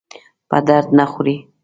په درد نه خوري.